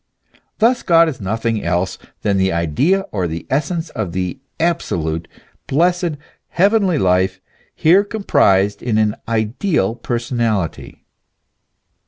Thus God is nothing else than the idea or the essence of the absolute, blessed, heavenly life, here comprised in an ideal personality.